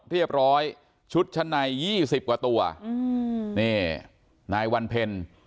เรียบร้อยชุดชั้นในยี่สิบกว่าตัวอืมนี่นายวันเพ็ญ